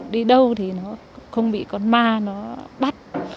đi đâu thì nó không bị con ma nó bắt